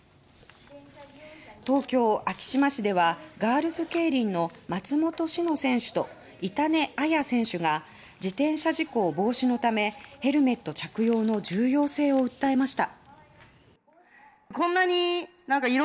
東京・昭島市ではガールズケイリンの松本詩乃選手と板根茜弥選手が自転車事故防止のためヘルメット着用の重要性を訴えました。